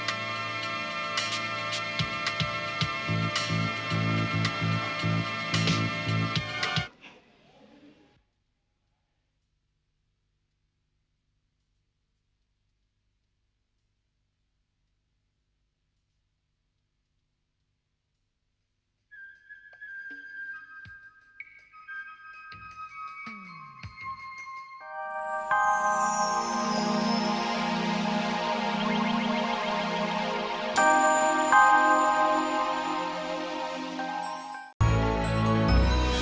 aku ingin kamu mencari dia